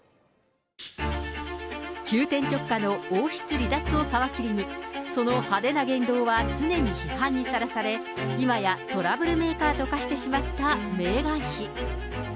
急転直下の王室離脱を皮切りに、その派手な言動は常に批判にさらされ、今やトラブルメーカーと化してしまったメーガン妃。